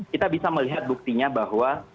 kita bisa melihat buktinya bahwa